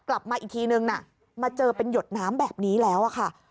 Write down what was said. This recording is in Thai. กลับมาอีกทีนึงมาเจอเป็นหยดน้ำแบบนี้แล้วอะค่ะ